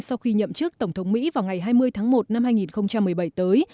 sau khi nhậm chức tổng thống mỹ vào ngày hai mươi tháng một năm hai nghìn một mươi bảy tới